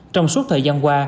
trong suốt thời gian qua